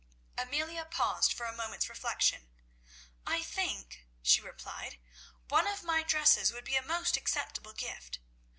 Amelia paused for a moment's reflection. "I think," she replied, "one of my dresses would be a most acceptable gift.